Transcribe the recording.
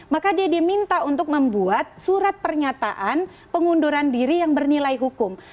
maka dia diminta untuk membuat surat pernyataan pengunduran diri yang bernilai hukum